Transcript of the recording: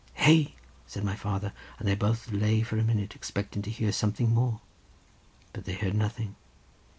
"Hey!" said my father, and they both lay for a minute, expecting to hear something more, but they heard nothing.